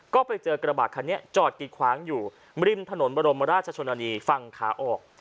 ก็ไปเจอกระบาดคันนี้จอดกิดขวางอยู่ริมถนนบรมราชชนนานีฝั่งขาออก